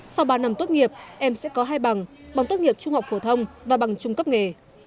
sau ba năm tốt nghiệp em sẽ có hai bằng bằng tốt nghiệp trung học phổ thông và bằng trung cấp nghề